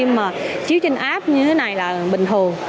phim web hay là những cái phim mà chiếu trên app như thế này là bình thường